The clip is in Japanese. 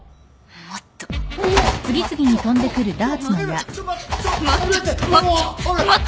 ちょっと待って！